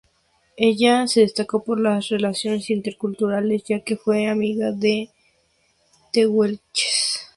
Ella se destacó por las relaciones interculturales ya que fue amiga de los tehuelches.